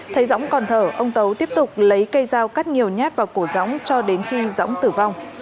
thấy dõng còn thở ông tấu tiếp tục lấy cây dao cắt nhiều nhát vào cổ dõng cho đến khi dõng tử vong